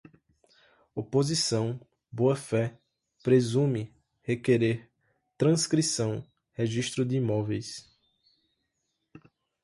oposição, boa-fé, presume, requerer, transcrição, registro de imóveis